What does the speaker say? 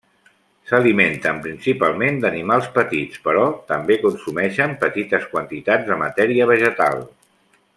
S'alimenten principalment d'animals petits, però també consumeixen petites quantitats de matèria vegetal.